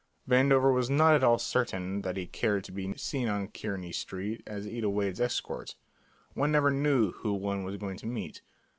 Vandover was not at all certain that he cared to be seen on Kearney Street as Ida Wade's escort; one never knew who one was going to meet.